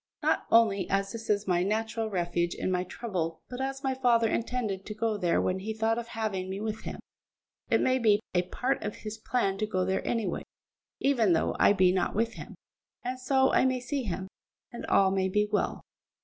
Not only as this is my natural refuge in my trouble, but as my father intended to go there when he thought of having me with him, it may be a part of his plan to go there any way, even though I be not with him; and so I may see him, and all may be well."